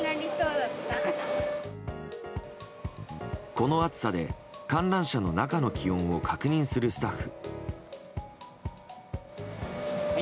この暑さで観覧車の中の気温を確認するスタッフ。